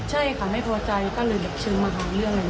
ใช่ค่ะไม่พอใจก็เลยแบบเชิงมาหาเรื่องเลย